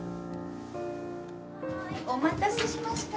はいお待たせしました